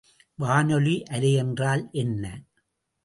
வானொலி அலை என்றால் என்ன?